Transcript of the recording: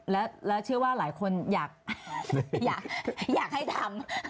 แล้วเชื่อว่าหลายคนอยากให้ทำ